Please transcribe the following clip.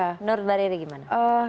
menurut mbak riri gimana